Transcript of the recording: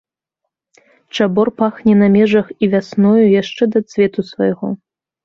Чабор пахне на межах і вясною, яшчэ да цвету свайго.